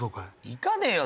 行かねえよ